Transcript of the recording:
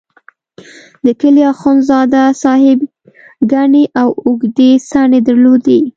د کلي اخندزاده صاحب ګڼې او اوږدې څڼې درلودې.